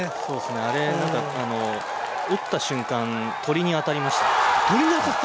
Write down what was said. あれ、打った瞬間、鳥に当たりました。